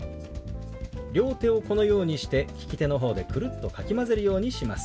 両手をこのようにして利き手の方でくるっとかき混ぜるようにします。